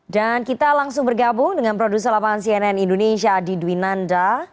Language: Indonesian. dan kita langsung bergabung dengan produser lapangan cnn indonesia adi dwinanda